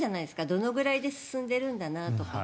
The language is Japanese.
どのくらいで進んでるんだなとか。